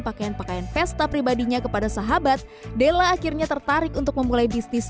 pakaian pakaian pesta pribadinya kepada sahabat della akhirnya tertarik untuk memulai bisnis